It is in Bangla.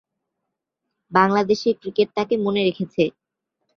বাংলাদেশের ক্রিকেট তাকে মনে রেখেছে।